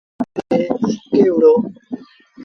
سيٚ ري ڪري گھوڙي تي سُڪي وهُڙو ۔